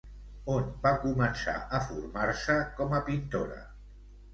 On va començar a formar-se com a pintora?